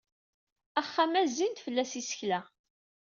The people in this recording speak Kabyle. Axxam-a zzin-d fell-as yisekla.